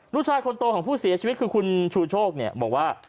ลูกชายคนโตของผู้เสียชีวิตคือคุณชูโชคเนี่ยบอกว่า